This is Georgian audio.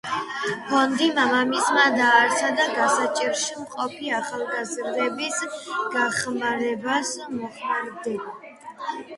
ფონდი მამამისმა დააარსა და გასაჭირში მყოფი ახლგაზრდების დახმარებას მოხმარდება.